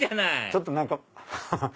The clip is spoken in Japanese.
ちょっと何か。